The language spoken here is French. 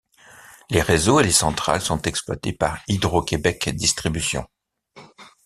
Les réseaux et les centrales sont exploités par Hydro-Québec Distribution.